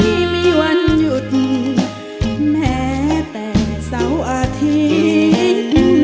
ไม่มีวันหยุดแม้แต่เสาร์อาทิตย์